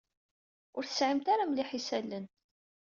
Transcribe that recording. Ur tesɛimt ara mliḥ isallen.